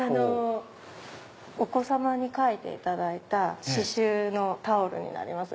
お子様に描いていただいた刺しゅうのタオルになります。